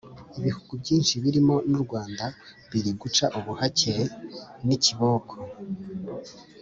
Ibihugu bynshi birimo n’u Rwanda biri guca ubuhake n’ikiboko